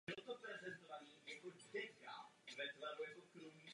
Původní oltář však byl dřevěný.